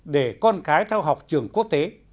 để con cái theo học trường quốc tế